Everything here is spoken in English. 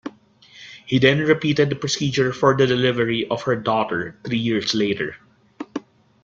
He then repeated the procedure for the delivery of her daughter, three years later.